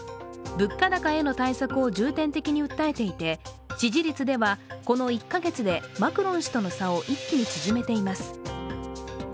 物価高への対策を重点的に訴えていて支持率ではこの１カ月でマクロン氏との差を一気に縮めています。